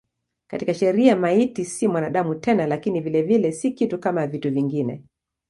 Katika sheria maiti si mwanadamu tena lakini vilevile si kitu kama vitu vingine.